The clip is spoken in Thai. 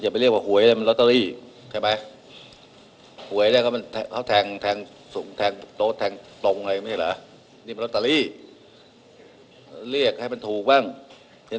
โปรดติดตามตอนต่อไป